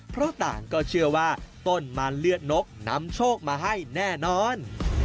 เพราะต่างก็เชื่อว่าต้นมาเลือดนกนำโชคมาให้แน่นอน